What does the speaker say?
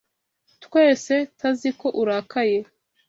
Twese taziko urakaye.